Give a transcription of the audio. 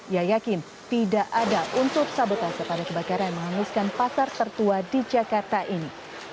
ia yakin tidak ada untuk sabotase pada kebakaran yang menghanguskan pasar tertua di jakarta ini